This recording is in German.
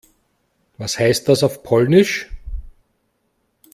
Was heißt das auf Polnisch?